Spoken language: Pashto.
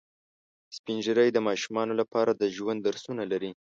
سپین ږیری د ماشومانو لپاره د ژوند درسونه لري